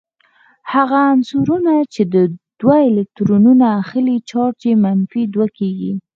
هغه عنصرونه چې دوه الکترونونه اخلې چارج یې منفي دوه کیږي.